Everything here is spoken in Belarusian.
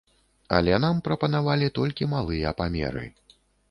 Але нам прапанавалі толькі малыя памеры.